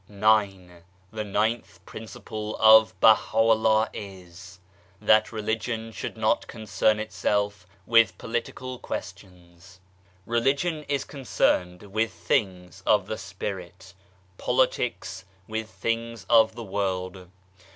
IX. The ninth principle of Baha'u'llah is : That Religion should not concern itself with Political Questions. Religion is concerned with things of the Spirit, politics with things of the world.